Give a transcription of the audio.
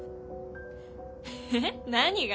えっ何が？